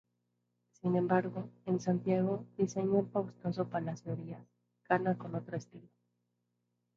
Sin embargo, en Santiago, diseñó el fastuoso Palacio Díaz Gana con otro estilo.